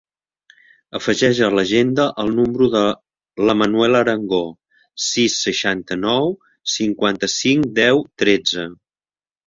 Afegeix a l'agenda el número de la Manuela Arango: sis, seixanta-nou, cinquanta-cinc, deu, tretze.